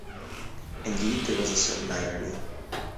Indeed, there was a certain irony.